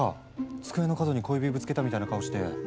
机の角に小指ぶつけたみたいな顔して。